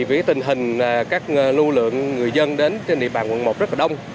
với tình hình các lưu lượng người dân đến trên địa bàn quận một rất đông